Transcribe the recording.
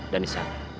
dan di sana